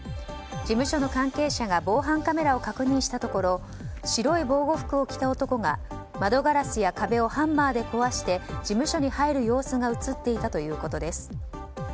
事務所の関係者が防犯カメラを確認したところ白い防護服を着た男が窓ガラスや壁をハンマーで壊して事務所に入る様子が映っていたということです。